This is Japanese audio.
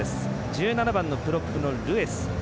１７番のプロップのルエス。